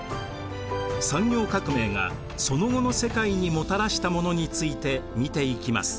産業革命がその後の世界にもたらしたものについて見ていきます。